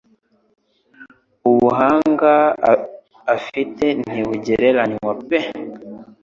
Ubuhanga afite ntibugereranywa pe